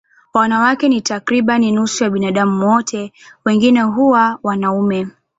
Wanawake ni takriban nusu ya binadamu wote, wengine huwa wanaume.